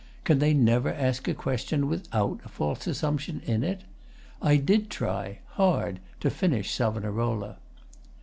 Can they never ask a question without a false assumption in it? I did try, hard, to finish 'Savonarola.